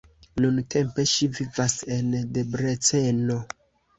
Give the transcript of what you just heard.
Nuntempe ŝi vivas en Debreceno.